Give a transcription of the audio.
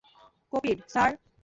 Copied, sir.